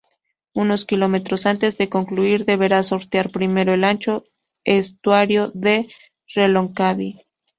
Unos kilómetros antes de concluir deberá sortear primero el ancho estuario de Reloncaví.